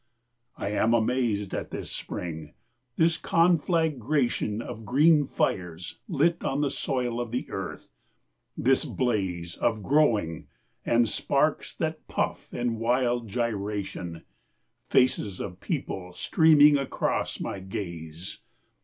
I am amazed at this spring, this conflagration Of green fires lit on the soil of the earth, this blazeOf growing, and sparks that puff in wild gyration, Faces of people streaming across my gaze.